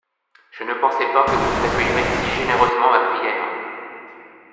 Je ne pensais pas que vous accueilleriez si généreusement ma prière.